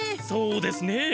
そうですね。